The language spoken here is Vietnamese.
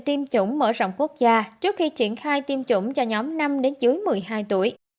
tiêm chủng mở rộng quốc gia trước khi triển khai tiêm chủng cho nhóm năm đến dưới một mươi hai tuổi